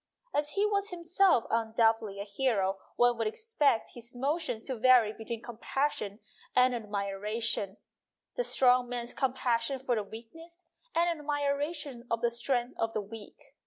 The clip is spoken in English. As he was 'himself undoubtedly a hero one would expect his emotions to vary between compassion and admiration the strong man's compassion for the weak ness and admiration of the strength of the weak.